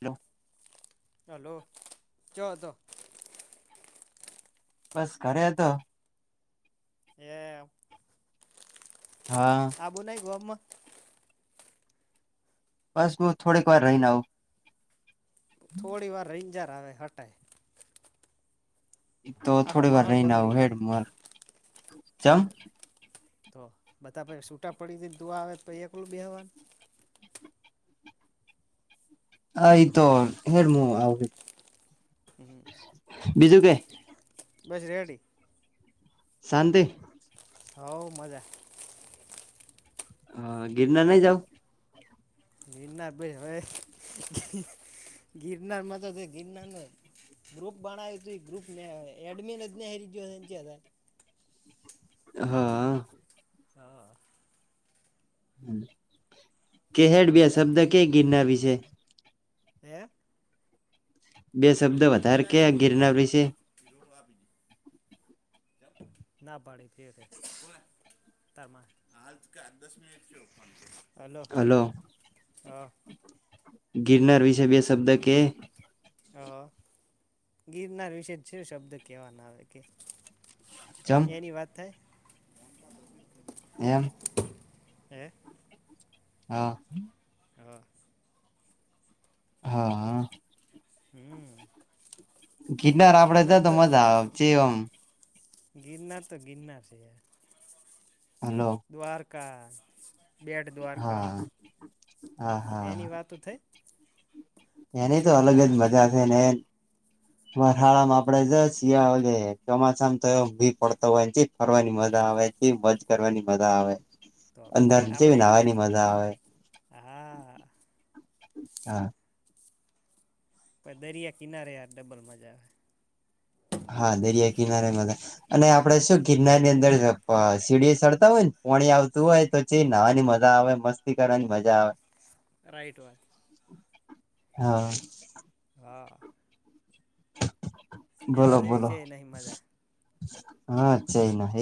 Hello. જોવોતો. બસ ઘરે હતો. એ હા આવું નઈ ગોમમાં? બસ હું થોડીકવાર રહીને આવું. થોડીવાર રંજ રાવે હટાય. તો આખો થોડી વાર માહોલ રહી ના આવ બગડી જાય હેડ મોર જમ તો બધા પે છૂટા પડી જી તુ આવે તો એકલું બેવાનું. હ એતો હેડમું આવ. હુ. બીજું કે? બસ રેડી. શાંતિ હવ મજા આવે. હ ગિરનાર નહીં જાવ. ગિરનાર પ હવે ગિરનારમાં તો છે, ગિરનાર નહીં. ગ્રુપ બનાવ્યું હતું ગ્રુપ એડમિન જ હતા. હા [inaudible] હા [inaudible] કે હેડ બે શબ્દ કઈ ગિરના વિશે. હે [inaudible] બે શબ્દ પેલું વધારે ક બિલાડી રિયલ વાળો ગિરનાર વિશે. એ રોકડો આપી દે ના પાડી ફેરે. તમારે આજ કે આ દસ મિનિટ શું. હલો હા. ગિરનાર વિશે બે શબ્દ કે હ ગિરનાર વિશે જ શ શબ્દ કેવાના આવે કે ચમ એની વાત થાય. એમ. હે. હા હા હા, હ હું. ગીરનાર આપડે જ તો મજા આવે જે આમ ગિરનાર તો ગિરનાર છે. હાલો. દ્વારકા બેટ દ્વારકા હા હા એની વાતો થઈ. એની તો અલગ જ સોમનાથ મજા છે, ને મહળામાં આપડે જ શિયાળાની ચોમાસામાં તો એ ભી પડતો હોય ને ફરવાની મજા આવે. થી મજ કરવાની મજા આવે. તો પછી અંદર ચેવી આપડે નાહવાની મજા આવે હા. હા. પ દરિયા કિનારે યાર ડબલ મજા આવે. હા દરિયા કિનારેમાં અને આપડે શું કિરનારની અંદર સીડી સડતા હોય ને. પોણી આવતું હા હોય તો ચ નહવાની મજા આવે મસ્ત. કરવાની મજા આવે રાઈટ વાત હા. હા. બોલો એના જેવી બોલો છે નહી મજા હા ચઈ ના હ.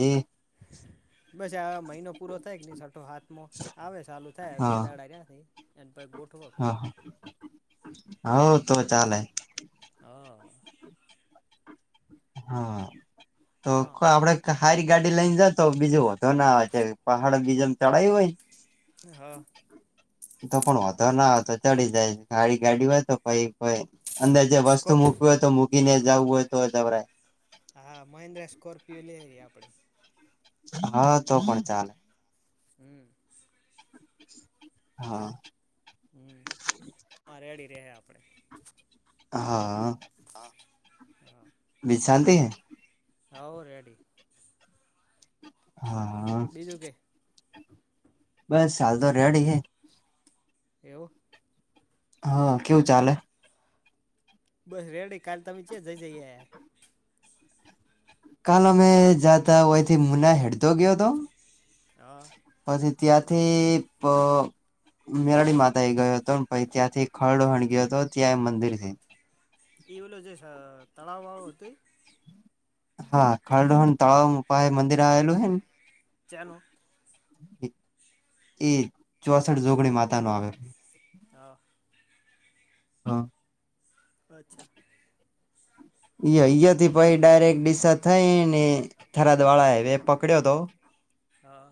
બછા. મહિનો પૂરો થાય કે નહી સરઠો હાથમાં આવે ચાલુ થાય બે હા દાડા્યા એ પ ગોઠવો. હ તો ચાલ. હ હા તો હા કો આપડે હારી. ગાડી લઈને જતો બીજું વધો ના આવે છે પહાડ બીજોમ ચડાવું હોય. હા તો પણ વધા ના. તો ચડી જાય ગાડી ગાડી હોય તો કઈ અંદર જે સ્કો વસ્તુ મૂક હોય તો મૂકીને. જવું હોય તો ત ભ. હા મહેન્દ્રા સ્કોર્પિયો લે ગઈએ આપડે. હા તો પણ ચાલે. હમ. હા. હમ રેડી રે આપડે. હા. હા [unintelligible] હવ રેડી. હા બીજું કે. બસ હાલ તો રેડી હે. એવું. હા કેવું ચાલે. બસ રેડી કાલ તમે ચોચો જઈ આયા. કાલ અમે જાતા હોયથી મુના હેડતો ગયો હતો. હ. પછી ત્યાંથી. મેરાડી માતા એ ગયો હતો પછી ત્યાંથી ખરડોહણ ગયો હતો ત્યાં મંદિર હે. તળાવાળ હતી. હા ખરડોહણ તળાવ પાયે મંદિર આવેલું હ ને. ચેનું એ ચોસઠ જોગણી માતાનું આવેલ હા. હા અચ્છા અહી થી પછી ડાયરેક ડિસા થઈને થરાદ વાળા હાઈવે પકડ્યો તો. હા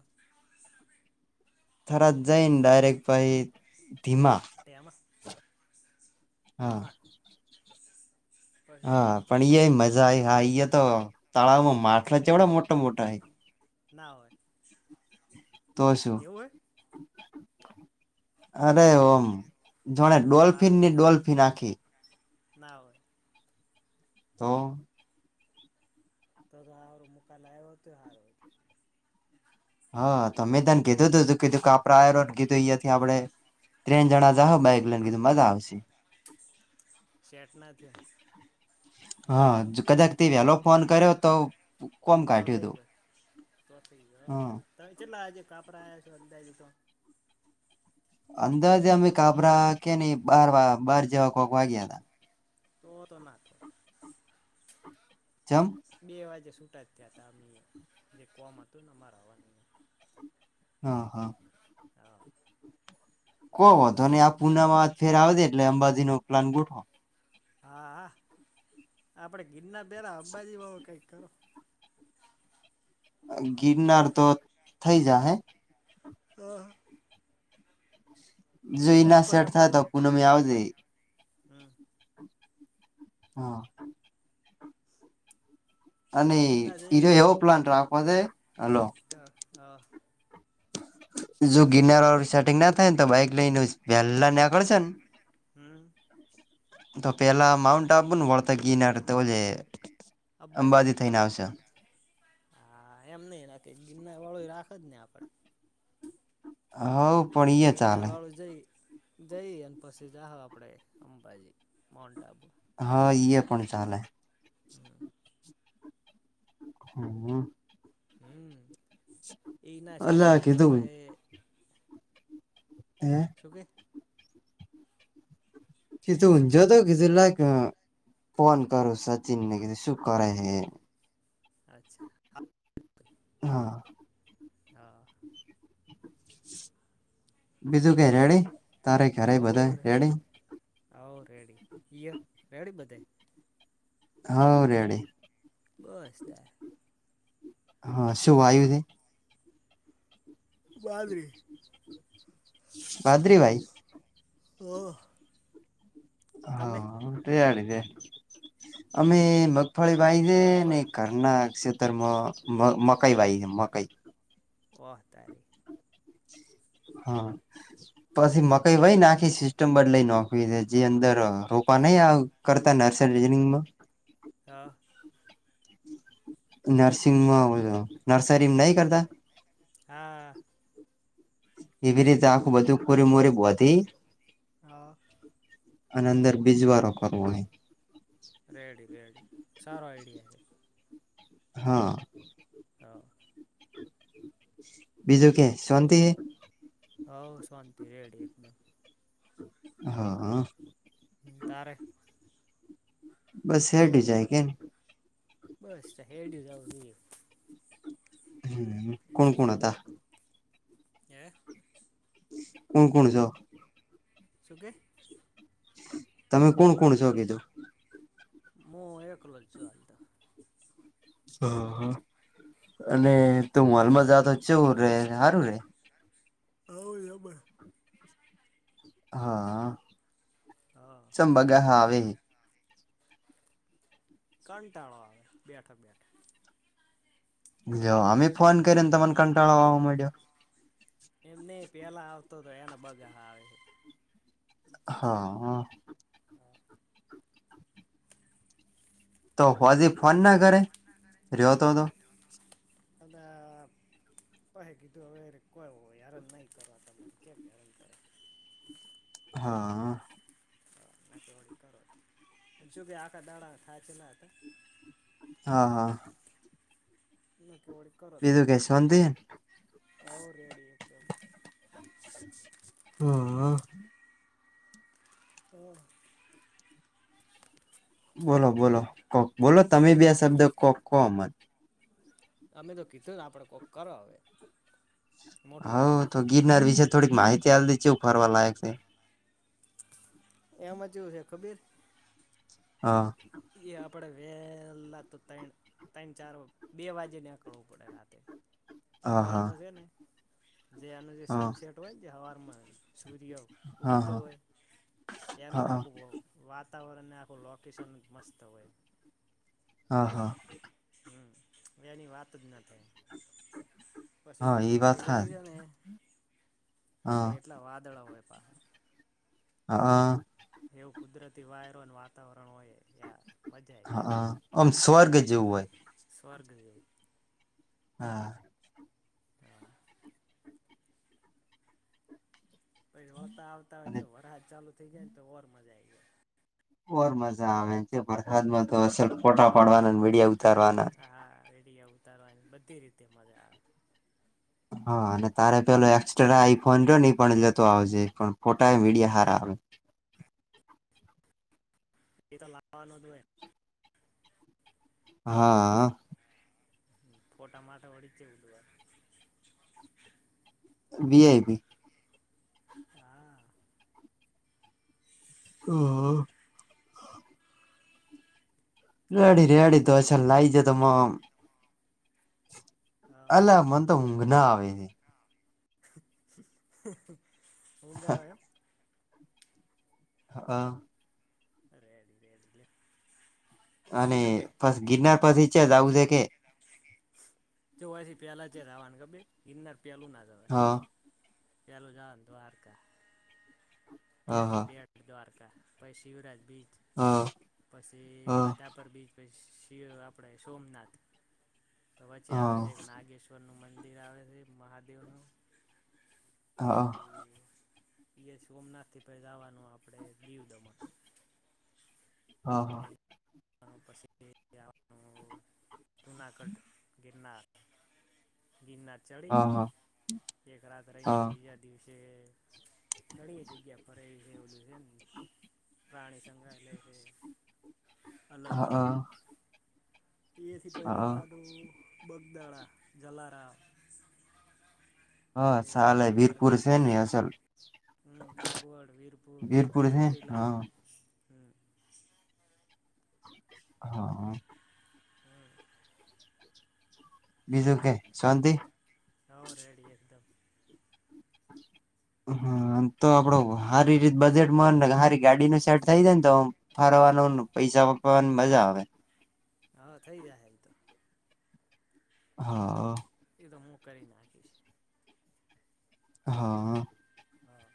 થરાત જઈન ડાયરેક્ટ પછી તેમાં [unintelligible] હા ધીમા પછી હા પણ એ મજા જાય હા ઈતો તળાવમાં માછલા ચેવડો મોટા મોટા હ ના હોય તો શું એવું હોય અરે ઓમ જાણે મારે ડોલ્ફિન ની ડોલ્ફિન આખી. ના હોય. તો [unintelligible] હા મે તમે કીધું હતું કીધું કે આપડે આ [unintelligible] આપડે ત્રણ જણા જાહો બાઈક લઈને કીધું મજા આવશે શેટ ના ત્યાં હા કદાચ તે વેલો ફોન કર્યો તો કોમ તો કાઢ્યું થઈ તું ગયો તો થઈ ગયો હા ચેટલા આજે કાપ [unintelligible] અંદાજે અમે કાભરા કે નહી બાર બાર જેવા કોઈક વાગ્યા હતા. તો તો ના. ચમ.. બે વાગે છૂટા જ થયા હતા અમે એ કોમ હતું ને અમાર હવાર. હા હા કોઈ વાંધો નઈ આ પુનમ ફેર આવજે એટલે અંબાજી નો પ્લાન ગોઠવો હા આપડે ગિરના પહેલા અંબાજી કંઈક કરો ગિરનાર તો થઈ જાય હ. હા જોઈ ના પછી સેટ થાય તો અંબાજી પૂનમ આવજે. હમ હા. અને ગિરનાર જઈને એવો પ્લાન્ટ રાખવો છે. હલો હ હા. જો ગિરનાર વાળું સેટિંગ ના થાય ને તો બાઈક લઈ ને વેલા નેકળશે ને હમ તો પેલા માઉન્ટ આબુ ને વળતા ગિરનાર તો [unintelligible] અંબાજી થઈને આવશે. હા એમ નહી ના કે ગિરનાર વાળો રાખને આપડે. હવ. પણ ઈયે ગિરનાર ચાલે વાળુ જઈ જઈ અને પછી જાવ આપડે અંબાજી, માઉન્ટ આબુ. હા, ઈ પણ ચાલે. હમ્મ. હમ્મ એના શેટ અલા થાય તો કીધું પહી? હે. શું કે શું કે [unintelligible] ફોન કરું સચિન ને શું કરે હે? અચ્છા. હા. હા. બીજું કઈ રેડી તારે ઘરે બધા રેડી? આવ રેડી તય રેડી બધે? હ રેડી. બસ તાર હા શુંયુ [unintelligible] છે? વાંદરી [unintelligible] પાદ્રીભાઈ. ઓ હા, તારી દે અમે મગફળી વાઈ દે ને મગફળી ઘરના ખેતર [unintelligible] મકાઈ વાઈે મકાઈ. વહ તારીખ. [unintelligible] હા, પછી મકાઈ વય નાખી સિસ્ટમ બદલાઈ નાખવી છે. જે અંદર પણ નહી કરતા નર્સરીમાં હા. નર્સિંગમાં નર્સરીમાં નહી કરતા? હા. એવી રીતે આખું બધું કુરી મોરી બધી. હ. અને અંદર બીજ વારો કરવાો નહી. રેડી રેડી સારો આઈડિયા છે. હા. હા. બીજું કે શાંતિ છે? હ, શાંતિ રેડી એકદમ. હા. તારે? બસ હેડ જાયગ. [unintelligible] બસ હેડું જાાવ જોું. [unintelligible] હમ્મ કોણ કોણ હતા? હે! કોણ કોણ છ? શું કે? તમે કોણ કોણ છો? કીધું. મો એકલોલ છું હાલ તો. હ અને હા ત મોલમાંલમાં જતો છેવું રે સારું રે? હ બરાબર. [unintelligible] હા સં હા [unintelligible] બગાહા આવે. કંટાળો આવે બેઠક બેઠા. જો અમે ફોન કરીને તમને કંટાળો આવા મળ્યો. એમ નઈ પેલા આવતો તો એના બગા આવે. હા. તો પછી ફોન ના કરે ર્યોતો તો. પછ કીધું હવે કોઈ હરન નહી કરવા તને [inaudible] હા. [inaudible] કરો જોકે આખા દાડા થાય છે ના હતા. હા હા. [unintelligible] બીજું કે શાંતિ? આવ રેડયો કર. હા. હમ્મ. બોલો બોલો કોક બોલો તમે બી આ શબ્દ કોક કોમ જ. અમે તો કીધું ને આપણે કોક કરો હવે. મોટું હા હવે આયોજન તો ગિરનાર વિશે થોડીક માહિતી જણાવી છે કેશું ફરવા લાયક છે. એમ જ જેવું છે ખબીર. હા. એ આપડે વેલા તો તય તણ ચાર બે વાગે નેકળવું પડે રાતે તો હા હવાર હા માંજ છે ને જે એનું જે હા સનસેટ હોય ને હવા સૂર્ય હા ઉગતો હા હોય. એનું હા આખું વ વાત તાવરણને આખું લોકેશન મસ્ત હોય. હા હા. હા હવે એની વાત જ ન થાય. હા પછી એ ઉપર વાત હા ચડી જાય ને એટલે હા એટલા વાદળા હોય. પાહા હા. એવું કુદરતી વાયરો અને વાતાવરણ હોય યાર. મજા આઈ જાય હા અમ સ્વર્ગ જેવું હોય. સ્વર્ગ જેવુ. હા. પછ હોતા આવતા અને હોયને જો વરહાદ ચાલુ થઈ જાય ને તો ઓર મજા આવી જાય. ઓર મજા આવે છે વરસાદ માં તો આસન ફોટા પાડવાના અને વીડિયો ઉતારવાના. અયા ઉતારવાની બધી રીતે મજા આવે. હા અને તારે પેલો એક્સ્ટ્રા આઈફોન જો ની પણ જતો આવજે પણ ફોટા એ મીડિયા હારા આવે. એ તો લાવવાનો જ હોય. હાઅ. ફોટામાં તો અડી ચે ઉધવા. વી આય પી. હા હાઆ. તને રેડી ચમ રેડી તો બગા અસલ લાઈ જતો મોમ. હા અલા મન તો ઊંઘ ના આવી. ઊંઘ આવે એમ? હા અ. રેડી રેડી લે. અને બીજું કે પછી ગિરનાર પછી નીચે આવું છે કે જોવાયથી પેલા જ રાવાનું ગંભીર ગિરનાર પેલું ના જવાય. હ હ પેલું જવાનું દ્વારકા હ હ હ ત્યાંથી બેટ દ્વારકા પ શિવરાજ બીચ હ હ હ પછી માધાપર બીચ પછી શિવિ આપડે સોમનાથ, તો વચ્ચે આવે છે. નાગેશ્વર નુ મંદિર પછી આવે છે, મહાદેવનું પછી સોમનાથ થી, પહેલા જવાનું આપડે દીવ દમણ હા પછી પછી આપણુ જૂનાગઢ, ગિરનાર, ગિરનાર ચડી એક રાત રહી, વળી બીજા દિવસે ઘણી એ જગ્યા ફરાય ગઈ છે, ઓલું છે. પ્રાણી, સંગ્રહાલય હે હ, અ એ થી, પેહળવાનું બગદાણા જલારામ હા, પછી ચાલે કાગવડ વીરપુર છેને, અસલ હમ, કાગવડ વીરપુર છે ચોટીલા હા હમ હા હમ બીજુ, કે શાંતિ હ રેડી, એકદમ હમ્મ હા, તો આપડો સારી રીત બજેટમાં સારી ગાડી ન સેટ થઈ. જાય ને તો ફાર પૈસા, વાપરવાની મજા આવે હા, થઈ જાય. એમ તો હા એ તો હુ, કરી નાખીશ હા હા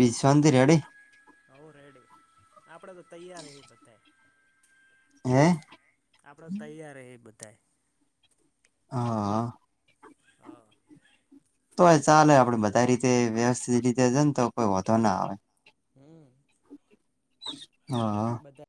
વિશાંતિ રેડીે હ, રેડી આપડે તો તૈયાર એ બધ હે આપડ, તૈયાર એ બધા હા હા ચાલે આપડે બધા રીતે વ્યવસ્થિત રીતે જને. તો કોઈ, ઓો ના આવે હમ્મ હા